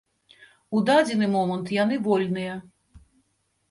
У дадзены момант яны вольныя.